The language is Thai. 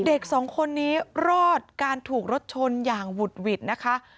เด็กสองคนนี้รอดการถูกรถชนอย่างหุดหวิดนะคะ